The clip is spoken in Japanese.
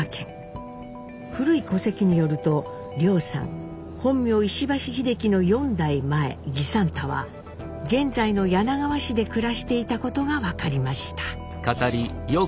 古い戸籍によると凌さん本名石橋秀樹の４代前儀三太は現在の柳川市で暮らしていたことが分かりました。